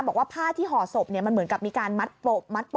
บอกว่าผ้าที่ห่อศพมันเหมือนกับมีการมัดปลบมัด